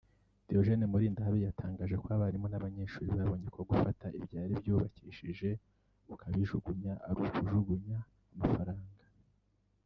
Diogene Mulindahabi yatangaje ko abarimu n’abanyeshuri babonye ko gufata ibyari byubakishije ukabijugunya ari ukujugunya amafaranga